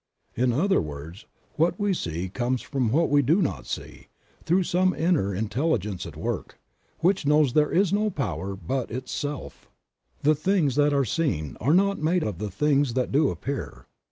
In other words, what we see comes from what we do not see, through some inner intelligence at work, which knows there is no power but Itself. "The things that are seen are not made of the things that do appear."